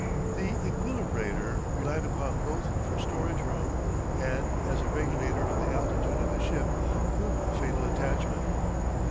The equilibrator, relied upon both for storage room and as a regulator of the altitude of the ship, proved a fatal attachment.